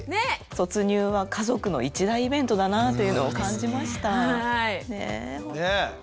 卒乳は家族の一大イベントだなぁというのを感じました。